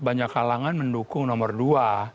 banyak kalangan mendukung nomor dua